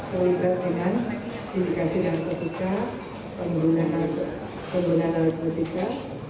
kita diperkenan sindikasi narkotika pengguna narkotika